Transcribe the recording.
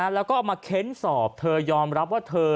แล้วก็เอามาเค้นสอบเธอยอมรับว่าเธอ